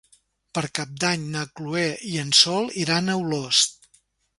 Per Cap d'Any na Chloé i en Sol iran a Olost.